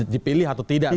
dipilih atau tidak